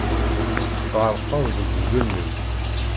Tɣerqeḍ deg ugelmim.